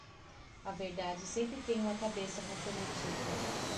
A verdade sempre tem uma cabeça comprometida.